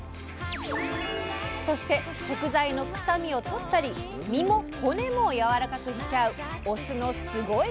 そして食材の臭みをとったり身も骨もやわらかくしちゃうお酢のスゴイ！